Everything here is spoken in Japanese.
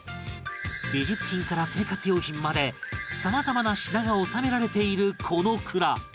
美術品から生活用品まで様々な品が納められているこの蔵